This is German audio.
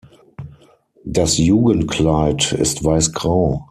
Das Jugendkleid ist weiß-grau.